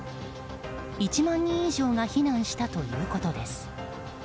１万人以上が避難したということです。